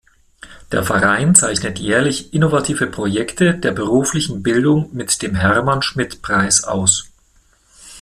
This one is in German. Der Verein zeichnet jährlich innovative Projekte der beruflichen Bildung mit dem „Hermann-Schmidt-Preis“ aus.